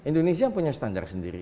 indonesia punya standar sendiri